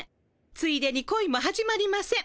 ついでに恋も始まりません。